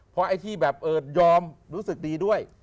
เพราะไอ้ที่ยอมรู้สึกดีด้วย